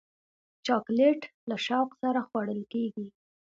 چاکلېټ له شوق سره خوړل کېږي.